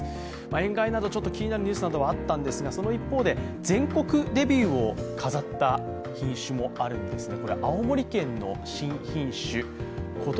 塩害など気になるニュースはあったんですが、その一方で全国デビューを飾った品種もあるんですね。